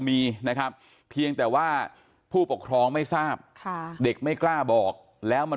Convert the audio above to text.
มีนะครับเพียงแต่ว่าผู้ปกครองไม่ทราบค่ะเด็กไม่กล้าบอกแล้วมัน